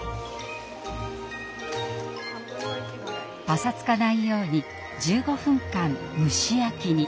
パサつかないように１５分間蒸し焼きに。